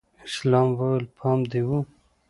اسلام وويل پام دې و.